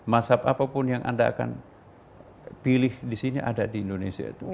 masjid apa pun yang anda akan pilih di sini ada di indonesia itu